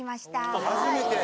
初めてや。